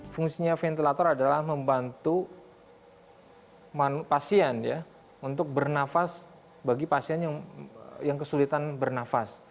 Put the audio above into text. fungsinya ventilator adalah membantu pasien ya untuk bernafas bagi pasien yang kesulitan bernafas